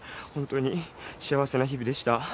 ホントに幸せな日々でした。